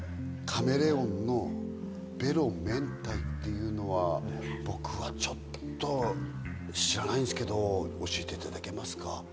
カメレオンのベロ明太子っていうのは僕はちょっと、知らないんですけど、教えていただけますか。